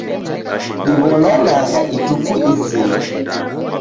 Diwonanagha ituku izima